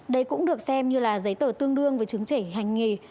đây cũng được xem như là giấy tờ tương đương với chứng chỉ hành nghề